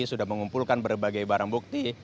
sudah mengumpulkan berbagai barang bukti